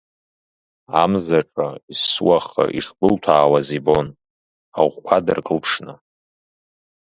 Амза ҿа есуаха ишгәылҭәаауаз ибон, аӷәқәа дыркылԥшны.